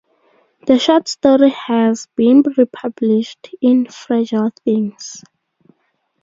The short story has been republished in "Fragile Things".